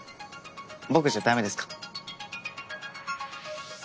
僕じゃダメですか？